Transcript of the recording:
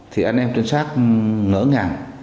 thì anh em trinh sát ngỡ ngàng